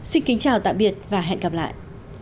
xin kính chào tạm biệt và hẹn gặp lại